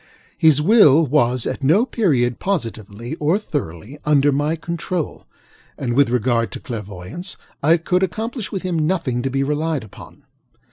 His will was at no period positively, or thoroughly, under my control, and in regard to clairvoyance, I could accomplish with him nothing to be relied upon.